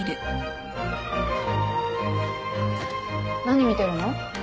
何見てるの？